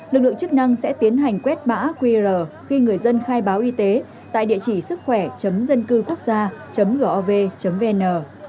lực lượng chức năng sẽ tiến hành quét mã qr khi người dân khai báo y tế tại địa chỉ sứckhoẻ dâncưquốc gia gov vn